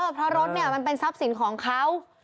เพราะรถเนี่ยมันเป็นทรัพย์สินของเขา